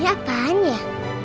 ya apaan ya